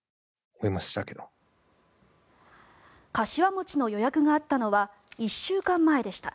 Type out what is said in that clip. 柏餅の予約があったのは１週間前でした。